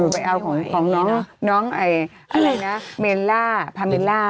ไปเอาของน้องเมลล่าพาเมลล่า